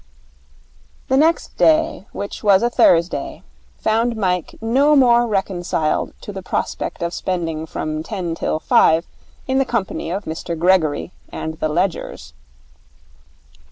The next day, which was a Thursday, found Mike no more reconciled to the prospect of spending from ten till five in the company of Mr Gregory and the ledgers.